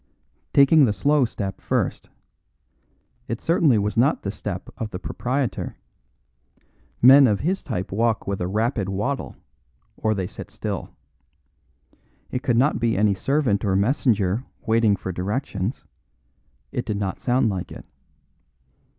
Taking the slow step first: it certainly was not the step of the proprietor. Men of his type walk with a rapid waddle, or they sit still. It could not be any servant or messenger waiting for directions. It did not sound like it.